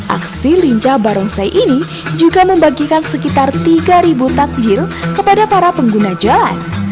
aksi lincah barongsai ini juga membagikan sekitar tiga takjil kepada para pengguna jalan